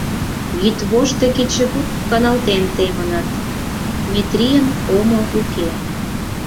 Йӱдвошт да кечыгут каналтен темынат, Метрийын омо уке.